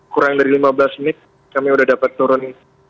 kurang dari lima belas menit kami sudah dapat turun